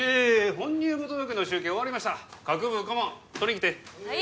本入部届の集計終わりました各部顧問取りん来てはい